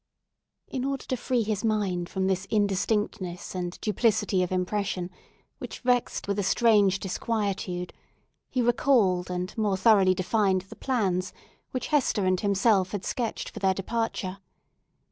In order to free his mind from this indistinctness and duplicity of impression, which vexed it with a strange disquietude, he recalled and more thoroughly defined the plans which Hester and himself had sketched for their departure.